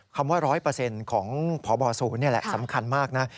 คำว่า๑๐๐ของพบศูนย์นี่แหละสำคัญมากนะ